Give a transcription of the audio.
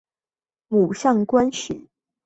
母上官氏。